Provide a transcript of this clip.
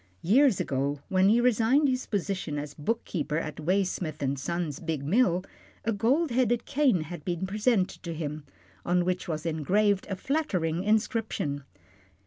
Years ago, when he resigned his position as bookkeeper at Waysmith and Son's big mill, a gold headed cane had been presented to him, on which was engraved a flattering inscription.